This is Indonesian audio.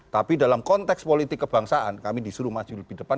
tapi dalam konteks politik kebangsaan kami disuruh maju lebih depan